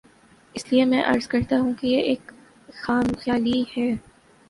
اس لیے میں عرض کرتا ہوں کہ یہ ایک خام خیالی ہے۔